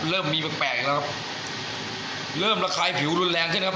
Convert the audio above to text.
เริ่มมีแปลกแปลกแล้วครับเริ่มระคายผิวรุนแรงขึ้นนะครับ